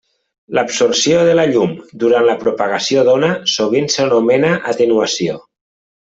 L’absorció de la llum durant la propagació d'ona sovint s’anomena atenuació.